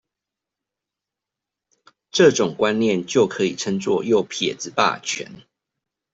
這種觀念就可以稱作「右撇子霸權」